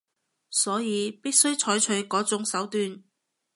所以必須採取嗰種手段